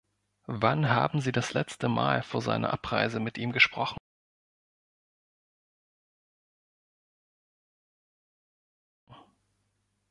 Wann haben Sie das letzte Mal vor seiner Abreise mit ihm gesprochen?